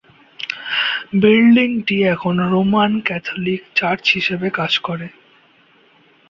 বিল্ডিংটি এখন Roman Catholic church হিসাবে কাজ করে।